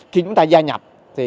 khi chúng ta gia nhập